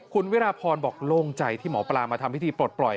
คุณวิราพรบอกโล่งใจที่หมอปลามาทำพิธีปลดปล่อย